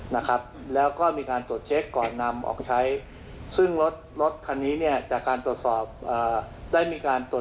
ในวันที่๑๕พฤศจิกา